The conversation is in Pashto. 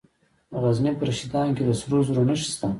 د غزني په رشیدان کې د سرو زرو نښې شته.